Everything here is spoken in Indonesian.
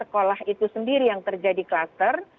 sekolah itu sendiri yang terjadi kluster